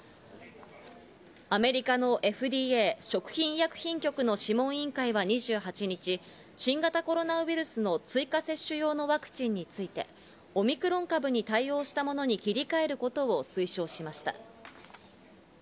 アメリカのＦＤＡ＝食品医薬品局の諮問委員会は２８日、新型コロナウイルスの追加接種用のワクチンについてオミクロン株に対応したものに切り替えることを推奨しました。